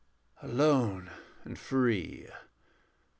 Alone and free.